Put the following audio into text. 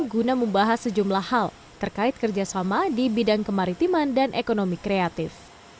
guna membahas sejumlah hal terkait kerjasama di bidang kemaritiman dan ekonomi kreatif